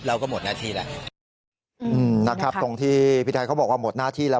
เราก็หมดหน้าที่แล้วนะครับตรงที่พี่ไทยเขาบอกว่าหมดหน้าที่แล้ว